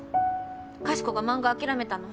かしこが漫画諦めたの。